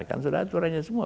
kan sudah aturannya semua